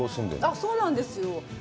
そうなんですよ。